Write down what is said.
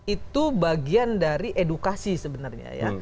itu bagian dari edukasi sebenarnya ya